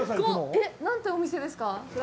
えっ、何ていうお店ですか？